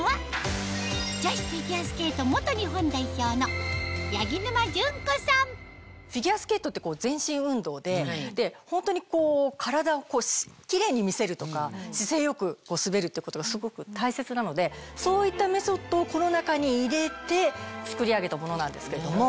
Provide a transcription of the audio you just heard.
このアイテムをフィギュアスケートって全身運動でホントにこう体をキレイに見せるとか姿勢良く滑るってことがすごく大切なのでそういったメソッドをこの中に入れて作り上げたものなんですけれども。